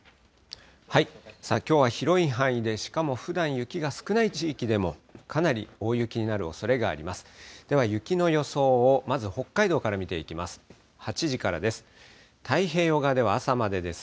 きょうは広い範囲で、しかもふだん雪が少ない地域でも、かなり大雪になるおそれがあります。